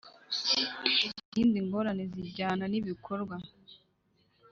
izindi ngorane zijyana n ibikorwa